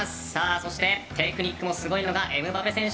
そしてテクニックもすごのがエムバペ選手。